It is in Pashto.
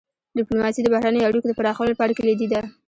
ډيپلوماسي د بهرنیو اړیکو د پراخولو لپاره کلیدي ده.